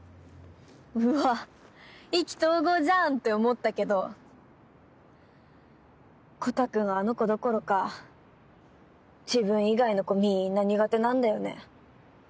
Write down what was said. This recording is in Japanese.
「うわ意気投合じゃん！」って思ったけどコタくんはあの子どころか自分以外の子みんな苦手なんだよね。